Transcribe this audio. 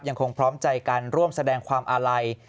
พร้อมใจกันร่วมแสดงความอาลัย